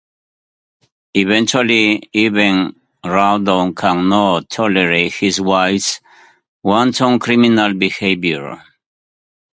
Eventually, even Rawdon cannot tolerate his wife's wanton, criminal behavior.